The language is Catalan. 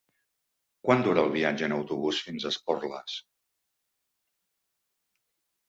Quant dura el viatge en autobús fins a Esporles?